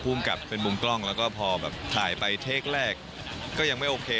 ภูมิกับเป็นมุมกล้องแล้วก็พอแบบถ่ายไปเทคแรกก็ยังไม่โอเค